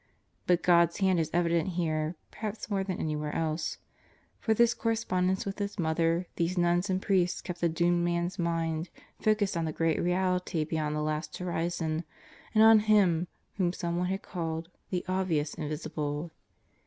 But God's hand is evident here perhaps more than anywhere else; for this corre spondence with his mother, these nuns and priests kept the doomed man's mind focused on the great Reality beyond the last horizon and on Him whom someone has called "the Obvious Invisible."